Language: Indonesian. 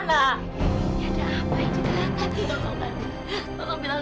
ini ada apa yang tidak akan didokongkan